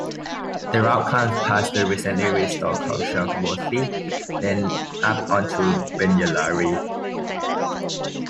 The route climbs past the recently restored Culsharg bothy then up on to Benyellary.